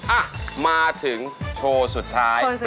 อ่ะมาถึงโชว์สุดท้าย